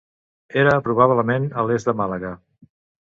Era probablement a l'est de Màlaga.